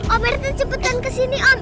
om rt cepetan kesini om